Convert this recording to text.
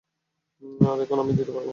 আর এখন আমি যেতে পারব না।